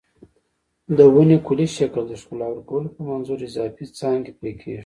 د ونې کلي شکل ته د ښکلا ورکولو په منظور اضافي څانګې پرې کېږي.